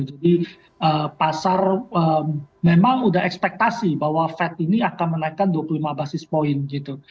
jadi pasar memang udah ekspektasi bahwa fed ini akan menaikkan dua puluh lima basis point gitu